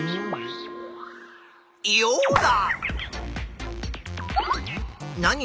ヨウダ！